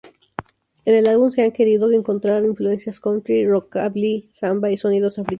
En el álbum se han querido encontrar influencias country, rockabilly, samba y sonidos africanos.